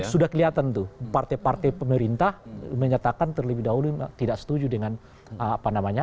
sudah kelihatan tuh partai partai pemerintah menyatakan terlebih dahulu tidak setuju dengan apa namanya